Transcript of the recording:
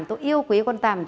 tôi yêu quý con tầm